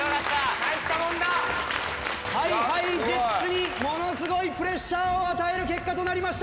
大したもんだ。ＨｉＨｉＪｅｔｓにものすごいプレッシャーを与える結果となりました。